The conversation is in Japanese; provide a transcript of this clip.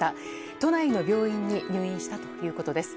都内の病院に入院したということです。